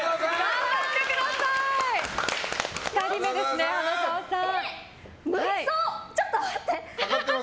２人目ですね、花澤さん。